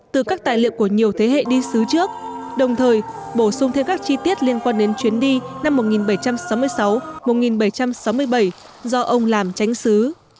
từ các tài liệu của nhiều thế hệ đi xứ trước đồng thời bổ sung thêm các chi tiết liên quan đến chuyến đi năm một nghìn bảy trăm sáu mươi sáu một nghìn bảy trăm sáu mươi bảy do ông làm tránh xứ